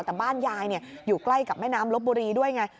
แต่บ้านยายอยู่ใกล้กับแม่น้ำลบบุรีด้วยไง